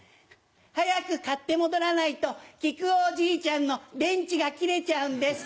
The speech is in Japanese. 早く買って戻らないと木久扇じいちゃんの電池が切れちゃうんです。